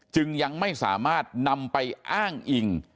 จึงยังไม่สามารถนำไปอ้างอิง